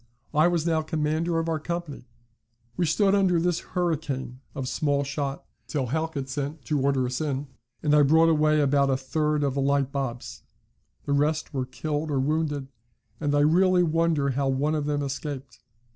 I was now commander of our company. We stood under this hurricane of small shot till Halkett sent to order us in, and I brought away about a third of the light bobs; the rest were killed or wounded, and I really wonder how one of them escaped.